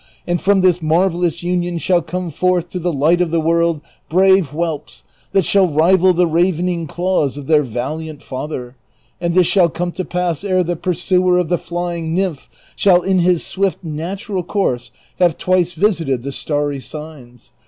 And from this marvellous luiion shall come forth to the light of the world brave whelps, that shall rival the ravening claws of their valiant father ; and this shall come to pass ere the pursuer of the flying nym})h shall in his swift natural coiirse have twice visited the starry signs.